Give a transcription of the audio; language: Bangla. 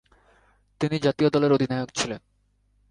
তিনি জাতীয় দলের অধিনায়ক ছিলেন।